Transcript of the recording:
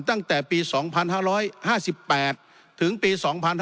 ตั้งแต่ปี๒๕๕๘ถึงปี๒๕๕๙